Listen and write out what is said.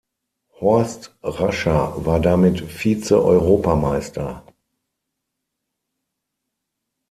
Horst Rascher war damit Vize-Europameister.